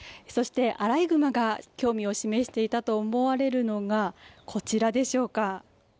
アライグマが興味を示していたと思われるのがこちらでしょうか。